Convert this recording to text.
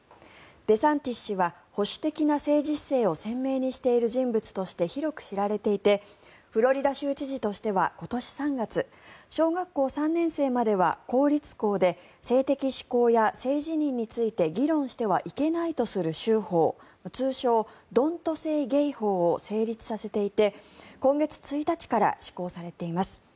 デサンティス氏は保守的な政治姿勢を鮮明にしている人物として広く知られていてフロリダ州知事としては今年３月小学校３年生までは公立校で性的指向や性自認について議論してはいけないとする州法通称、ドント・セイ・ゲイ法を成立させていて今月１日から施行されています。